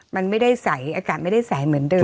มันไม่ได้ใสอากาศไม่ได้ใสเหมือนเดิ